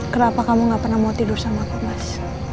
kenapa kamu gak pernah mau tidur sama aku mas